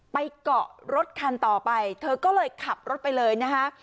เกาะรถคันต่อไปเธอก็เลยขับรถไปเลยนะคะ